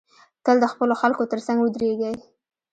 تل د خپلو خلکو تر څنګ ودریږی